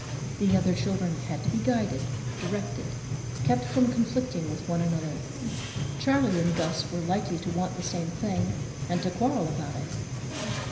The other children had to be guided, directed, kept from conflicting with one another. Charley and Gus were likely to want the same thing, and to quarrel about it.